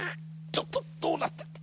ちょっとどうなってんだ。